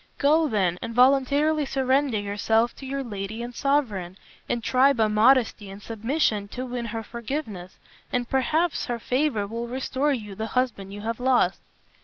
Go, then, and voluntarily surrender yourself to your lady and sovereign, and try by modesty and submission to win her forgiveness, and perhaps her favor will restore you the husband you have lost."